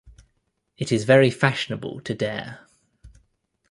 It is very fashionable to dare.